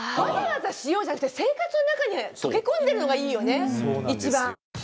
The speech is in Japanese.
「わざわざしよう」じゃなくて生活の中に溶け込んでるのがいいよね一番。